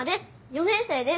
４年生です。